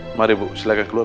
bu mari bu silahkan keluar